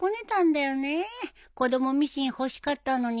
子どもミシン欲しかったのにさ。